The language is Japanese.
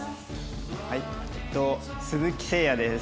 はい鈴木晴也です。